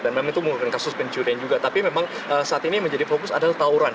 dan memang itu bukan kasus pencurian juga tapi memang saat ini yang menjadi fokus adalah tawuran